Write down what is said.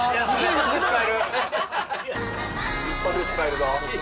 一発で使えるぞ。